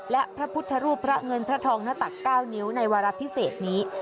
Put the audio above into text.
และพระพุทธรูปพระเงินพระทองหน้าตัก๙นิ้วในวาระพิเศษนี้